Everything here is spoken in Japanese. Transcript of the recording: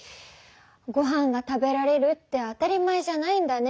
ごはんが食べられるって当たり前じゃないんだね。